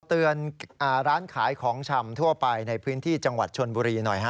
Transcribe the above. เตือนร้านขายของชำทั่วไปในพื้นที่จังหวัดชนบุรีหน่อยฮะ